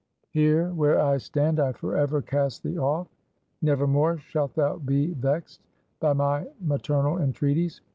here where I stand, I forever cast thee off. Never more shalt thou be vexed by my maternal entreaties.